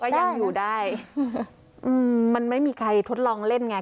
ยังอยู่ได้อืมมันไม่มีใครทดลองเล่นไง